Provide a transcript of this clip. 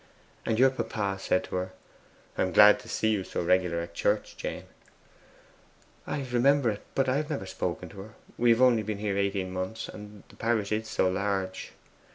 'And your papa said to her, "I am glad to see you so regular at church, JANE."' 'I remember it, but I have never spoken to her. We have only been here eighteen months, and the parish is so large.